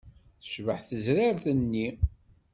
Tecbeḥ tezrart-nni.